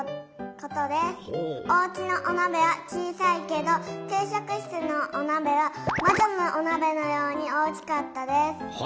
おうちのおなべはちいさいけどきゅうしょくしつのおなべはまじょのおなべのようにおおきかったです。